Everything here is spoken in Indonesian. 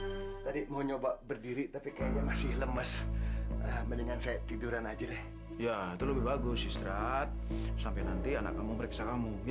hai udah sempuh tadi mau nyoba berdiri tapi kayaknya masih lemes mendingan saya tiduran aja deh ya itu lebih bagus istirahat sampai nanti anak kamu beriksa kamu biar